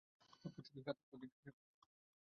অল্প শোকে কাতর, অধিক শোকে পাথর।